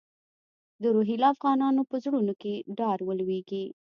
د روهیله افغانانو په زړونو کې ډار ولوېږي.